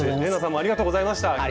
玲奈さんもありがとうございました。